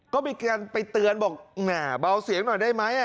ก็มีการไปเตือนบอกแหมเบาเสียงหน่อยได้ไหม